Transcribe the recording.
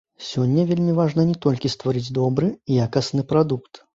Сёння вельмі важна не толькі стварыць добры, якасны прадукт.